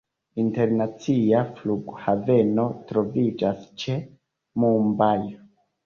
Internacia flughaveno troviĝas ĉe Mumbajo.